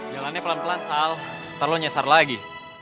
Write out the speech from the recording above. jalannya pelan pelan sal ntar lo nyesar lagi